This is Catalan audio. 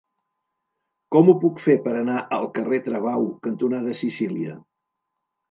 Com ho puc fer per anar al carrer Travau cantonada Sicília?